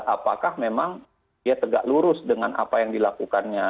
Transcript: apakah memang dia tegak lurus dengan apa yang dilakukannya